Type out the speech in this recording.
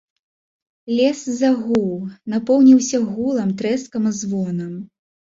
Лес загуў, напоўніўся гулам, трэскам і звонам.